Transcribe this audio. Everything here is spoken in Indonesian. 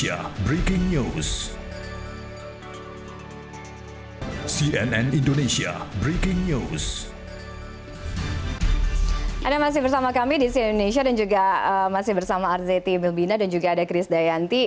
anda masih bersama kami di cnn indonesia dan juga masih bersama arzeti melbina dan juga ada chris dayanti